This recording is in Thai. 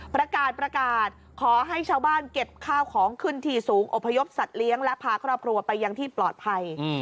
ประกาศประกาศขอให้ชาวบ้านเก็บข้าวของขึ้นที่สูงอบพยพสัตว์เลี้ยงและพาครอบครัวไปยังที่ปลอดภัย